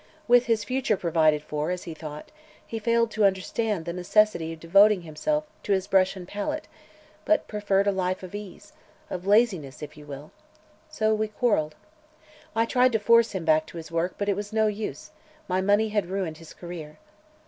With his future provided for, as he thought, he failed to understand the necessity of devoting himself to his brush and palette, but preferred a life of ease of laziness, if you will. So we quarreled. I tried to force him back to his work, but it was no use; my money had ruined his career.